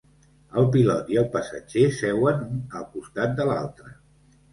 El pilot i el passatger seuen un al costat de l'altre.